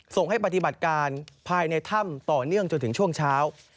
ส่งให้ปฏิบัติการภายในถ้ำต่อเนื่องจนถึงช่วงเช้า